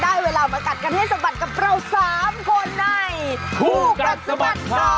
ได้เวลามากัดกันให้สบัติกับเรา๓คน